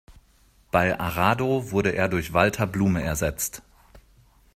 Bei Arado wurde er durch Walter Blume ersetzt.